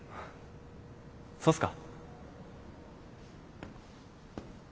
そうっすか。